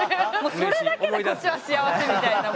それだけでこっちは幸せみたいな。